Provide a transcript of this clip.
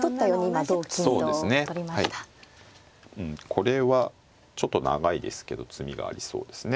これはちょっと長いですけど詰みがありそうですね。